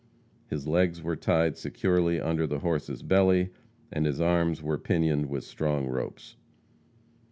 His legs were tied securely under the horse's belly, and his arms were pinioned with strong ropes.